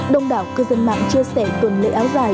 đông đảo cư dân mạng chia sẻ tuần lễ áo dài